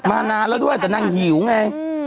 นานแล้วด้วยแต่นางหิวไง